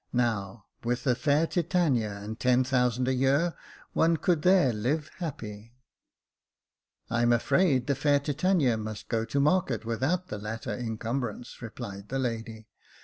"Now, with the fair Titania and ten thousand a year, one could there live happy." " I'm afraid the fair Titania must go to market without the latter incumbrance," replied the lady.